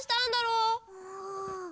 うん。